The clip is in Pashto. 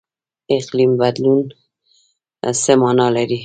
اقلیم بدلون څه مانا لري؟